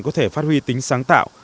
có thể phát huy tính sáng tạo